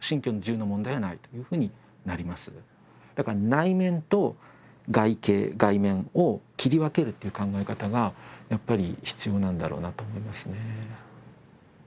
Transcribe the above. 内面と外形、外見を切り分けるという考えがやっぱり必要なんだろうなと思いますね。